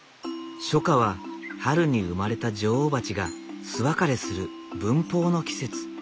初夏は春に生まれた女王蜂が巣別れする分蜂の季節。